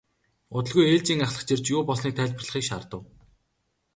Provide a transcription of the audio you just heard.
Удалгүй ээлжийн ахлагч ирж юу болсныг тайлбарлахыг шаардав.